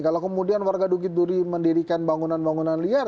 kalau kemudian warga dukit duri mendirikan bangunan bangunan liar